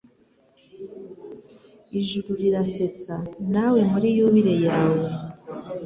Ijuru rirasetsa nawe muri yubile yawe;